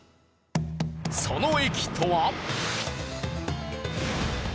その駅とは。